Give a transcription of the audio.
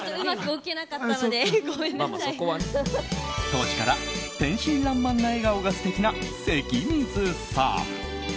当時から天真らんまんな笑顔が素敵な、関水さん。